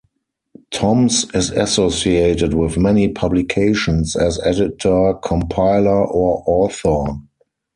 Thoms is associated with many publications, as editor, compiler or author.